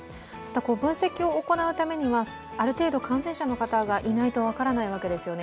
分析を行うためには、ある程度、感染者の方がいないと分からないわけですよね。